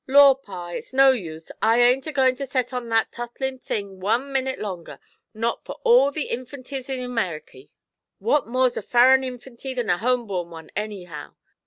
'Law, pa, it's no use! I ain't a goin' to set on that tottlin' thing one minit longer not for all the infanties in Ameriky! What more's a furrin infanty than a home born one, anyhow?'